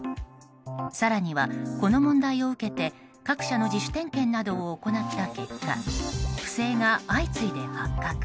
更には、この問題を受けて各社の自主点検などを行った結果不正が相次いで発覚。